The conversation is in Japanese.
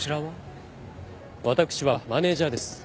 私はマネージャーです。